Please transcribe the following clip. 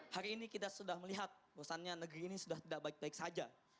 hari ini kita sudah melihat bahwasannya negeri ini sudah tidak baik baik saja